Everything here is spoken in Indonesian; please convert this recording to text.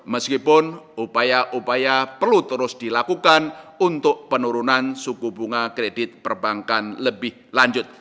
meskipun upaya upaya perlu terus dilakukan untuk penurunan suku bunga kredit perbankan lebih lanjut